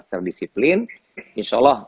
secara disiplin insya allah